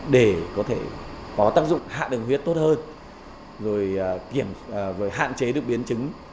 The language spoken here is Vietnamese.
để có thể có tác dụng hạ đường huyết tốt hơn rồi hạn chế được biến chứng